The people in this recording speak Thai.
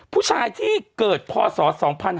ผู้ชายที่เกิดพอศอด๒๕๔๔